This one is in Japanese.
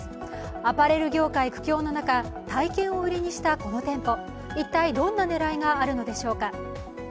アパレル業界苦境の中、体験を売りにしたこの店舗、一体どんな狙いがあるのでしょうか。